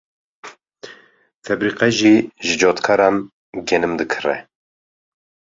febrîqe jî ji cotkaran genim dikire.